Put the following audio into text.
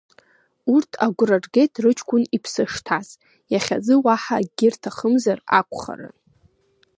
Урҭ агәра ргеит рыҷкәын иԥсы шҭаз, иахьазы уаҳа акгьы рҭахымзар акәхарын.